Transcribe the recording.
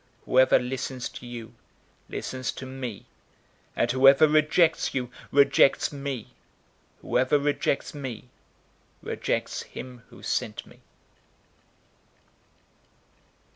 } 010:016 Whoever listens to you listens to me, and whoever rejects you rejects me. Whoever rejects me rejects him who sent me."